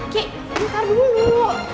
ki bentar dulu